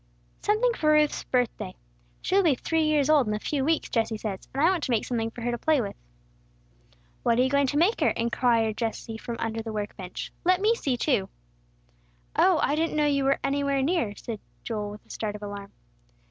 "Something for Ruth's birthday. She will be three years old in a few weeks, Jesse says, and I want to make something for her to play with." "What are you going to make her?" inquired Jesse, from under the work bench. "Let me see too." "Oh, I didn't know you were anywhere near," answered Joel, with a start of alarm.